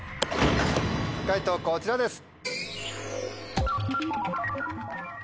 解答こちらです。